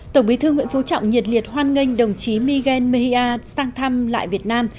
tổng bí thư nguyễn phú trọng nhiệt liệt hoan nghênh đồng chí miguel mea sang thăm lại việt nam